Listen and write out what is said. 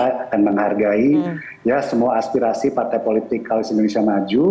kita akan menghargai semua aspirasi partai politik halus indonesia maju